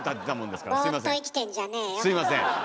すいません。